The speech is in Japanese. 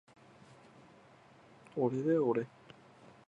おれだよおれ